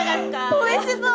おいしそう！